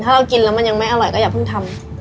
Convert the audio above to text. ถ้าเรากินแล้วมันยังไม่อร่อยก็อย่าเพิ่งทำ